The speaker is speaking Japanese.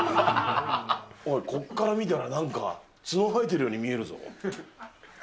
ここから見たら、なんか角生えてるように見えるぞ。